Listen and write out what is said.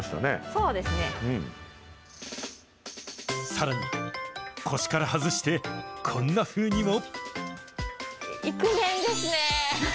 さらに腰から外して、こんなふうにも。